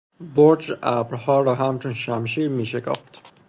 برج ابرها را همچون شمشیر میشکافت.